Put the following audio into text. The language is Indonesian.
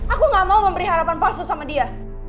aku gak mau memberi harapan palsu sama dia